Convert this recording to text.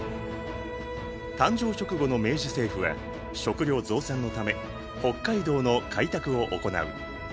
誕生直後の明治政府は食料増産のため北海道の開拓を行う。